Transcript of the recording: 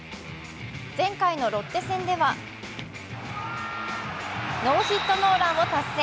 前回のロッテ戦では、ノーヒットノーランを達成。